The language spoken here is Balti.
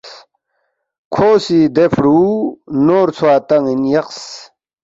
کھو سی دے فرُو نور ژھوا تان٘ین یقس